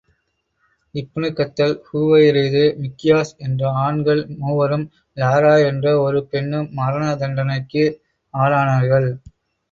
இப்னு Khatal, Huwairith, Miqyas என்ற ஆண்கள் மூவரும், லாரா என்ற ஒரு பெண்ணும் மரண தண்டனைக்கு ஆளானார்கள்.